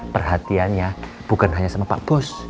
perhatiannya bukan hanya sama pak bus